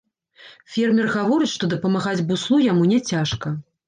Фермер гаворыць, што дапамагаць буслу яму няцяжка.